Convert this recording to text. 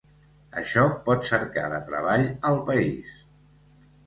Això pot cercar de treball al país.